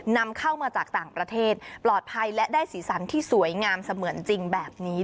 นำเข้ามาจากต่างประเทศปลอดภัยและได้สีสันที่สวยงามเสมือนจริงแบบนี้